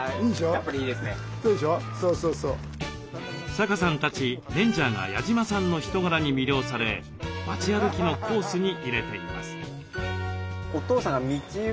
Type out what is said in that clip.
阪さんたちレンジャーが矢嶋さんの人柄に魅了され街歩きのコースに入れています。